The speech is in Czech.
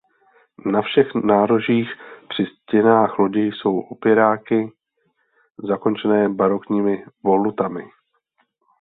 Na všech nárožích při stěnách lodi jsou opěráky zakončené barokními volutami.